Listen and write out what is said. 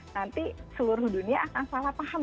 nanti seluruh dunia akan salah paham